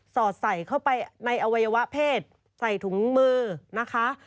อดใส่เข้าไปในอวัยวะเพศใส่ถุงมือนะคะ